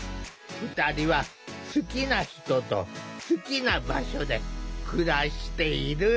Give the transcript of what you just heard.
２人は好きな人と好きな場所で暮らしている。